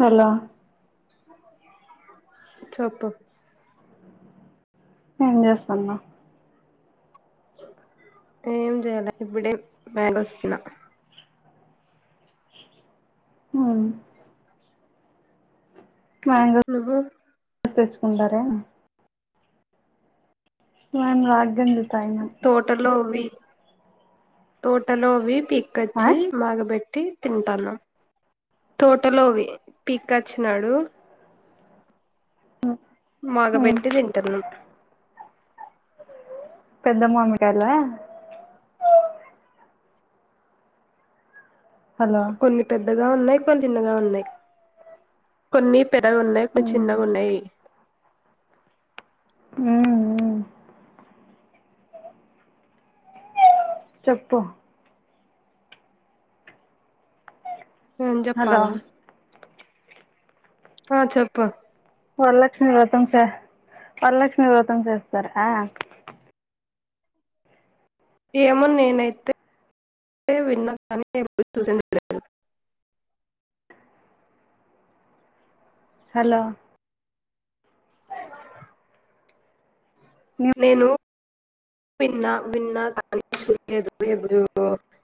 Hello చెప్పు ఏం చేస్తున్నావు ఏం జేయాలే ఇప్పుడే [unintelligible] బయలువస్తున్న మొన్ నువ్వు మ్యాంగిల్స్ తెచ్చుకుంటారా [unintelligible] మేము రాగెంజి తాగినాము టోలోమి వి తోటలో వి ఆ పికొచ్చి మొగ బెట్టి తింటాన్నా తోటలో వి పిక్కివచ్చినాడు మొగ హ్మ్ బెట్టి తింటున్నాం పెద్ద మామిడికాయలా హలో కొన్ని పెద్దగా ఉన్నాయి కొన్ని చిన్నగా ఉన్నాయి కొన్ని పెదావి ఉన్నాయి కొన్ని హ్మ్ చిన్నగా ఉన్నాయి [unintelligible] చెప్పు ఏమ్ హలో జేప్పాలా ఆ చెప్పు వరలక్ష్మి వ్రతం సా వరలక్ష్మి వ్రతం చేస్తారా ఏమో నేనైతే తే విన్నా కానీ [unintelligible] హలో నేను పిన్నా విన్నా కానీ చూలేదు [unintelligible]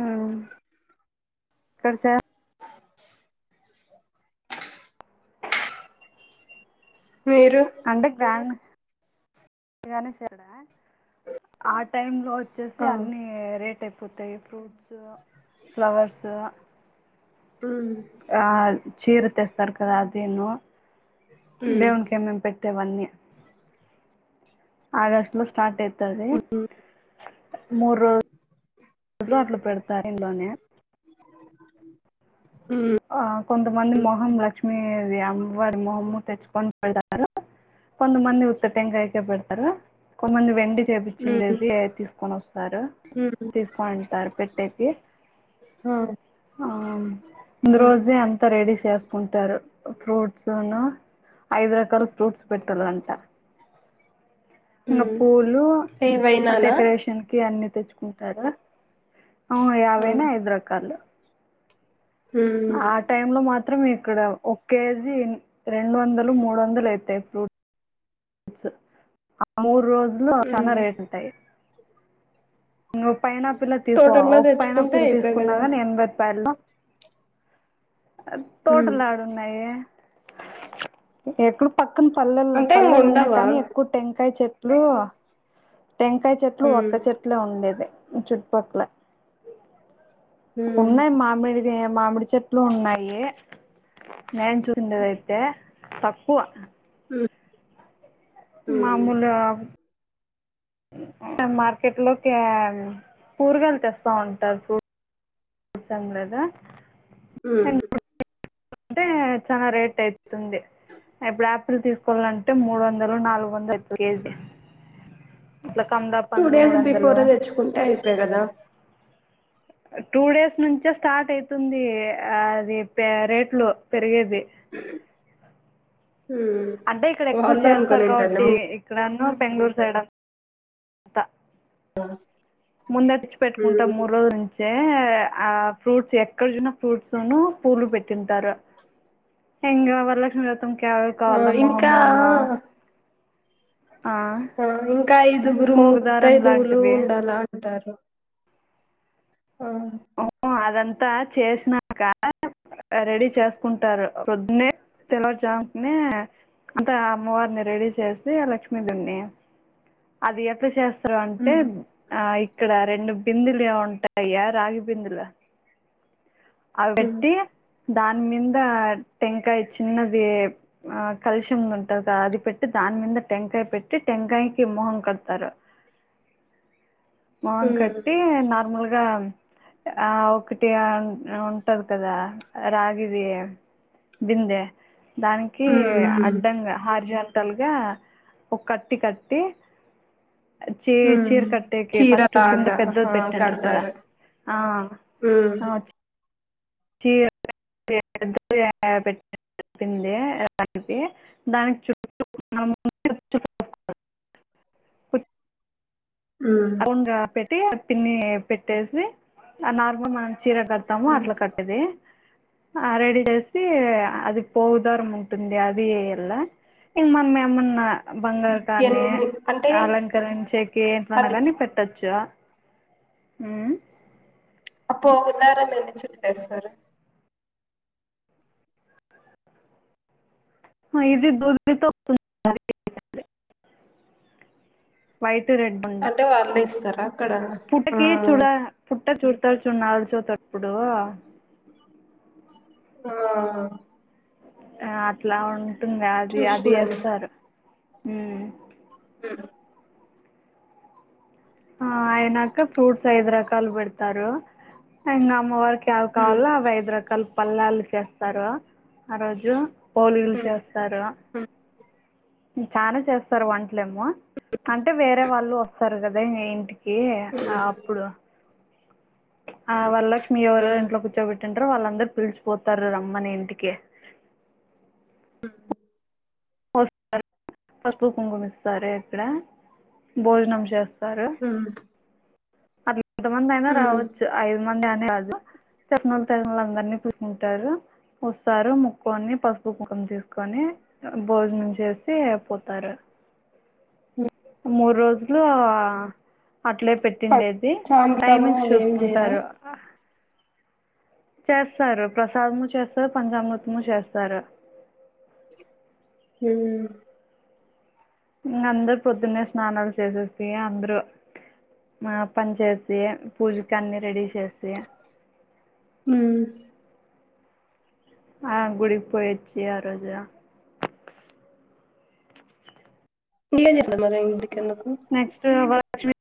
[inaudible] కార్సె ఎ మీరు అంటే గ్రాండ్ [unintelligible] ఆ టైమ్ లో వచ్చేసి ఆ అన్ని రేట్ ఎక్కు డ్రై ఫ్రూట్స్ ఫ్లవర్సు ఉమ్ ఆ చీర తెస్తరు కదా ఆదిను ఉమ్ దేవున్కెమ్ ఏమి ఏమి పెట్ వన్నీ ఆగస్ట్ లో స్టార్ట్ అయితది ఉమ్ మూడు రోజులు అట్ల పెడతారు ఇండు లోనే ఉమ్ ఆ కొంతమంది మొహం లక్ష్మిీ అమ్మవారి మొహమ్ తెచ్చుకొని పెడతారు కొంత మంది ఉత్త టెంకాయకె పెడతారు కొంత మంది వెండి ఉమ్ చేపించిండేది తీసుకొని వస్తారు ఉమ్ తీసుకొని అంటారు పెట్టేకి ఆ ఆ ముందు ఉమ్ రోజే అంతా రెడీ చేసుకుంటారు ఫ్రూట్సును ఐదు రకాల ఫ్రూట్స్ పెట్టులు అంటా ఇనా ఉమ్ పూలు ఏవైనానా డెకరేషన్ కి అన్ని తెచ్చుకుంటారు అవును ఆ ఏవయిన ఐదు రకాలు ఉమ్ ఆ టైమ్ లో మాత్రమే ఇక్కడ ఒక కేజీ రెండు వందలు మూడు వందలు అయితాయి ఫ్రూట్ ఆ మూడు రోజులు చాలా ఉమ్ రేటు ఉంటాయి నువ్వు పైనాపిల్ తీసుకోవా తోటల్లో ఒక తెచ్చుకుంటే పైనాపిల్ అయిపోయి తీసుకున్నా కదా గాని ఎనభై రూపాయలు ఉమ్ తోటలు ఏడున్నాయి ఎక్కు పక్కన పల్లెలు అంటే పల్లలు ఉన్నాయి ఉండవా కానీ ఎక్కువ టెంకాయ చెట్లు టెంకాయ చెట్లు ఉమ్ ఒక్క చెట్లే ఉండేది చుట్టుపక్కల ఉమ్ ఉన్నాయి మామిడి మామిడి చెట్లు ఉన్నాయి నేను చూసుండేదయితే తక్కువ ఉ మామూలుగా మార్కెట్ లోకి కురగాయలు తెస్తా ఉంటారు అవుసరంలేదు ఉమ్ అంటే చాన రేట్ అయితుంది ఇప్పుడు యాపిల్ తీసుకోవాలంటే మూడు వందలు నాలుగు వందలు కేజీ మల కమ్ద టూ డేస్ బిఫోరే తెచ్చుకుంటే అయిపోయాకదా టూ డేస్ నుంచే స్టార్ట్ అయితుంది అది రేట్లు పెరిగేది ఉమ్ అంటే ఇక్కడ ఎక్కువ వాళ్ళు చేస్తారు అనుకోనింటారులే కాబట్టి ముందు. ఇక్కడను బెంగళూరు సైడ్ ఆ ముందడికి పెట్టుకుంటాం మూడు రోజుల నుంచి తే ఆ ఫ్రూట్స్ ఎక్కడ చూసిన ఫ్రూట్స్ ను పూలు పెట్టింటారు ఇంగా వరలక్ష్మి వ్రతం క ఆ కావాల ఇంకా మొహమ్మోను ఆ ఇంకా ఐదుగురు పోగుదారం ముత్తయిదువులు లాంటివి ఉండాల అంటారు ఆ అదంతా చేసినంక రెడీ చేసుకుంటారు ప్రొద్దునే తెలవారుజామునే అంటే అమ్మవారిని రెడీ చేసి లక్ష్మీదన్ని అది ఎట్లా చే స్తారు అంటే ఉమ్ ఆ ఇక్కడ రెండు బిందేలు ఉంటాయా రాగి బిందెలు అవి ఉమ్ పెట్టి దాని మీంద టెంకాయ చిన్నది ఆ కలుషం ఉంటారు కదా అది పెట్టి దాని మీద టెంకాయ పెట్టి టెంకాయకిి మొహం కడతారు మోహం ఉమ్ కట్టి నార్మల్గా ఆ ఒకటి ఉంటది కదా రాగిదీ బిందె దానికి ఉమ్ ఉమ్ అడ్డంగా హార్జాంటల్గా ఒక కత్తి కట్టి చి చీర ఉమ్ కట్టేకి ఫస్ట్ కింద చీరలాగా ఆ పెద్ద పెట్టంటారు కదా కడతారు ఆ ఉమ్ అచ్ [inaudible] చెప్పింది ఎన్కి దానికి చుట్టూ [inaudible] ఊమ్ పెట్టి తిన్ని పెట్టేసి నార్మల్ మనం చీర కడ్తాము అట్లా కట్టేది ఆ రెడీ చేసి అది పోవు దారం ఉంటుంది అది ఏయ్యాలా ఇంకా మనం ఏమన్నా బంగారు కానీ ఎన్ని అంటే అలంకరించకి ఎంట్న్నా అది కాని పెట్టచ్చా ఊమ్ అప్పో పోయిందార్ ఎందుకు చుట్టేస్తరూ ఆ ఇది దున్నుతో ఉందండీ వైట్ రెడ్ ఉంది అంటే వాళ్ళే ఇస్తారా అక్కడ పుట్ ఆ కి చూడ పుట్ట చుట్టూ నడుస్తున్నపుడు టప్పుడు ఆ ఆ అట్లా ఉంటుంది అది అది చూసినాను ఏస్తారు ఉమ్ ఉమ్ ఆ అయినాక ఫ్రూట్స్ ఐదు రకాలు పెడ్తారు ఇంగ అమ్మవరికి క్యావ్ కావల అవి ఐదు రకాల్ పల్లాలు చేస్తారు ఆ రోజు పోలీలు ఉమ్ చేత్ తరు ఉమ్ చాలా చేస్తారు వంట్లేమో అంటే వేరే వాళ్ళు ఓస్తారు కదా ఇంటి కి ఆ ఆప్పుడు ఆ వర్లక్ష్మి ఎవరెవర్ ఇంట్లో కూర్చోబెట్టుంటారో వాళ్ళందర్ పిల్చిపోతరు రమ్మని ఇంటికి ఉ పస్పు కుంకుమ ఇస్తారు ఇక్కడ భోజనం చేస్తారు ఉమ్ కొంతమంది అయినా ఉమ్ రావోచ్చు ఐదు మంది అని కాదు చెప్నల్ తిర్మల్ అందర్నీ చూస్కుంటరు ఓస్తరు ముక్కోన్ని పస్పు ముఖం తీస్కొని భోజ్నం చేసి పోతరు ఉమ్ మూడు రోజ్లు అట్లే పెట్టిండేది సాంపుతాము టైమింగ్స్ అవి ఏం చేయరా చూస్కుంటరు చేస్తారు ప్రసాద్ము చేస్తారు పంచామృతము చేస్తారు ఉమ్ ఇంగ అందరూ పొద్దున్నే స్నానాల్ చేసేసి అంద్రు పని చేసి పూజ్కన్నీ రెడీ చేసి ఉమ్ ఆ గుడిక్పోయి ఓచ్చి ఆ రోజు ఇంగేమ్మ్ చేసేది మరి ఇంక్ కెందుకు నెక్స్ట్ వర్ లక్ష్మి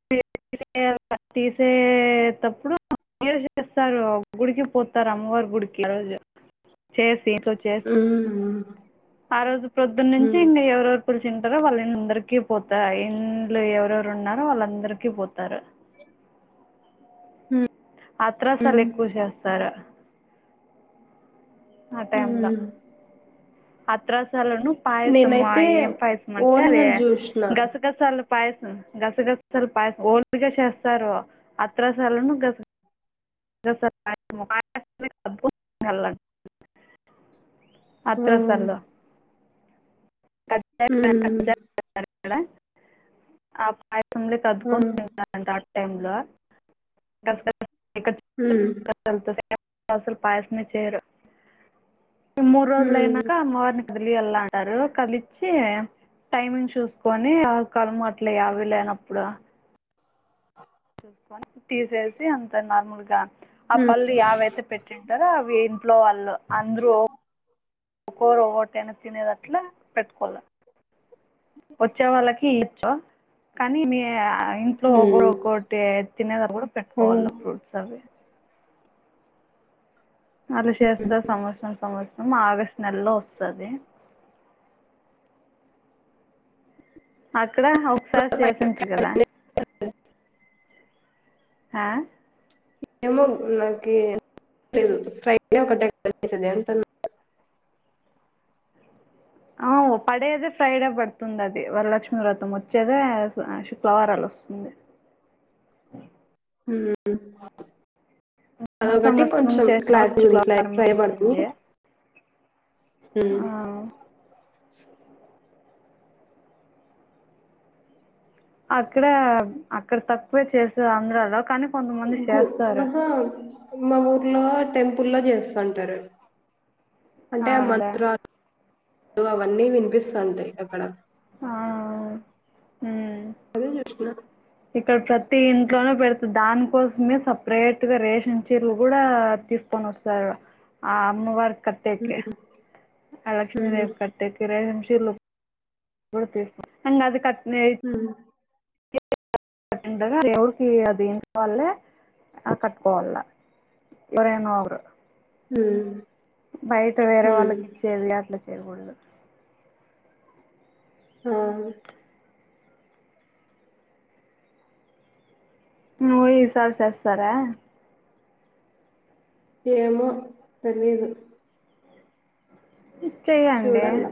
తీసేటప్పుడు మీర్ చేస్తరు గుడికి పోతారు అమ్మవార్ గుడికి రోజు చేస్ లేసి ఉమ్ ఆ రోజు పొద్దున్ నుంచి ఉమ్ ఇం ఎవరో కూర్ తింటారో వాళ్ అందర్కి పోతారు ఇంలు ఎవరెవర్ ఉన్నారో వాళ్ళందరిక్ పోతారు అత్రసల్ ఉమ్ ఎక్కువ్ చేస్తారు ఆ టైమ్ ల ఉమ్ అత్రసాలను పాయసమా నేనైతే ఏం పాయసం అంటే అడి ఓలిగలు జూష్ణ గస్ గస్ సలు పాయసం గస్ గస్ సల్పాయసం ఓల్డ్గా చేస్తారు అత్రసాలను గస్ గస గసల పాయసం గాళ్ళన్ అత్ర హ్మ్ సల్లు హ్మ్ ఆ పాయసం హ్మ్ కద్దుకొని కట్ టైంలో ఉమ్ అసలు పాయసమే చేయరు మూడు రోజులు హ్మ్ అయినాక అమ్మవారిని మళ్ళీ ఎల్లా అంటరు కలిచ్చి టైమింగ్ చూసుకొని ఎవలకల్లు వీలైనప్పుడు తీసేసి అంత నార్మల్గా ఆ హ్మ్ పల్లి అవైతే పెట్టింటరో అవి ఇంట్లో వాళ్ళు అందరు ఒకోరు ఒవటైన తినేది అట్లా పెట్టుకోలె వచ్చే వాళ్ళకి ఇచ్చ కానీ మీ ఆ ఇంట్లో ఒకొరు హ్మ్ ఒకోటే తినేదరు కూడ పెట్టుకోవాల ఫ్రూట్స్ అవి అల చేస్త సంవత్సరం సంవత్సరం ఆగస్టు నెలలో వస్తది అక్కడ ఒకసారి చేసింట్రి కదా [unintelligible] హా ఏమో నాకి [unintelligible] ఆవ్ పడేదే ఫ్రైడే పెడుతుంది అది వరలక్ష్మి వ్రతం వచ్చేదే శుక్లవారాలు వస్తుంది ముందు అదొకటి సంవత్సరం కొంచెం చేసిన క్లారిటీ శుక్రవారం వచ్చింది [unintelligible] ఉ ఆ, అక్కడ అక్కడ తక్కువే చేసే ఆంధ్రాలో కానీ కొంతమంది గు చేస్తారు [unintelligible] మా ఊర్లో టెంపుల్ లో చేసుంటారు అంటే అవునులే మంత్ర [unintelligible] అవన్నీ వినిపిస్థాంటాయ్ అక్కడ ఆ ఉ [unintelligible] ఇక్కడ ప్రతి ఇంట్లోనే పెడుతు దానికోసమే సపరేట్ గా రేషన్ చీరలు కూడా తీస్ [unintelligible] ఆ అమ్మవారి కట్టేకె హ్మ్ ఆ హ్మ్ లక్ష్మీదేవ్ కట్ [unintelligible] ఉ ఎండగ ఎవరికి అది [unintelligible] ఆ కట్టుకోవాల [unintelligible] ఉ బయట వేరే వాళ్ళకి ఇచ్చేది అట్లా చేయకూడదు ఆ నువ్ ఈసారి చేస్తార ఏమో తెలిదు చెయండి చూడాల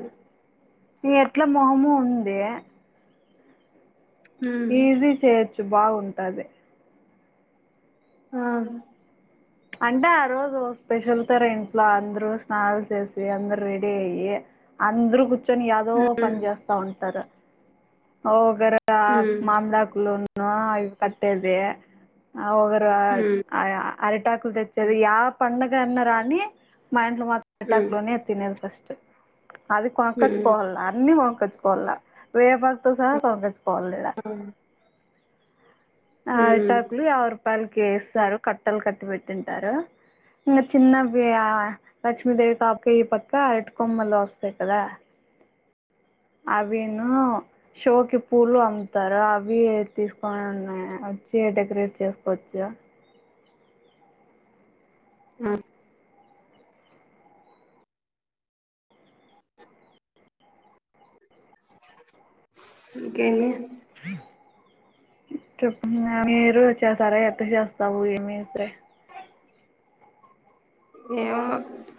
నీ [unintelligible] ఉందే హ్మ్ ఈజీ చేయొచ్చు బాగుంటది ఆ అంటే ఆ రోజు స్పెషల్ తర ఇంట్లో అందరూ స్నానాలు చేసి అందరు రెడీ అయ్యి అందృ [unintelligible] యాదో హ్మ్ పని చేేస్తా ఉంటారు ఓ గర హ్మ్ మామిడకులు కట్టేది హ్మ్ [unintelligible] [unintelligible] య పండగ అన్న రాని మా ఇంట్లో మత్రం హ్మ్ [unintelligible] తినేది ఫస్ట్ అది హ్మ్ కొనకచ్చుకోవాల అన్ని కొనకొచ్చుకో వేపాకు తో సహా కొనుకొచ్చుకోవాల ఈడ అ ఆరిటాకులు యాభై రూపాయలకి ఇస్తారు కట్టలు కట్టి వెట్టింటారు చిన్న చిన్నవి ఆ లక్ష్మీదేవి కాపకయ్య పక్క అరటికొమ్మలు వస్తాయి కదా అవిను షో కి పూలు అమ్తార అవి తీసుకొని ఉన్నాయి వచ్చి డెకరేట్ చేసుకోచ్చా అ ఇంకేంది చెప్పిన మీరు వచ్చేసారా ఎట్ట చేస్తావు ఏమి అయితే ఏమో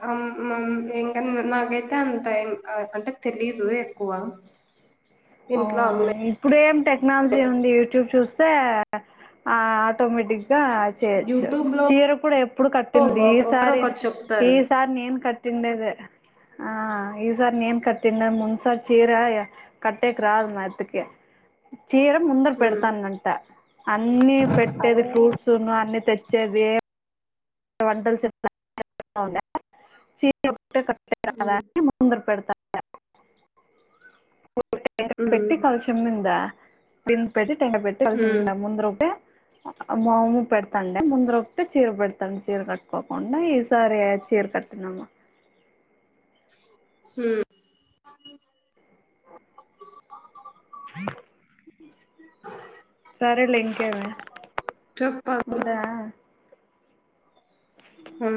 అమ్ మమ్ ఇంక నాకైతే అంత ఎన్ అ అంటె తెలీదు ఎక్కువా [unintelligible] ఇప్పుడు ఏం టెక్నాలజీ ఉంది యూట్యూబ్ చూస్తే ఆ ఆటోమేటిక్ గా చేయొచ్చు యూట్యూబ్ లో చీర కూడ ఎప్పుడు కట్టింది ఒక ఒకరు ఈసారి ఒకటి చెప్తారు ఈసా నేన్ కట్టిండెదే ఆ ఈసారీ నేన్ కట్టిందే ముందు సారి చీరా య కట్టేకి రాదు మా యత్తకి చీర ముందర హ్మ్ పెడతాన్నంట అన్నీ అరే పెట్టేది ఫ్రూట్స్ న్ను అన్ని తెచ్చేది వంటలు [unintelligible] హ్మ్ తొందర పెడతా పెట్టి హ్మ్ కలుచు [unintelligible] చెమ్ముందా బింద్ పెట్టి టెండర్ పెట్టి హ్మ్ [unintelligible] ముందు రుపే మాము పెడతాండే ముందర వస్తె చీర పెడ త్తం చీర కట్టుకోకుండా ఈసారి చీర కట్టినాము ఉమ్ సరేలే ఇంకేమి చెప్పాల ఉందా హా